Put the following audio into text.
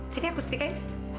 sini aku setrikain